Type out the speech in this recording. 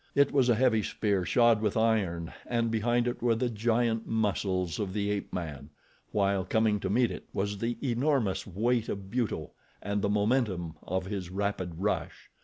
It was a heavy spear shod with iron, and behind it were the giant muscles of the ape man, while coming to meet it was the enormous weight of Buto and the momentum of his rapid rush.